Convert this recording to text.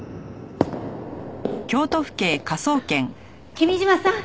君嶋さん！